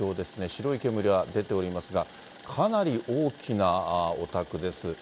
白い煙は出ておりますが、かなり大きなお宅です。